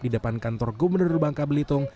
di depan kantor gubernur bangka belitung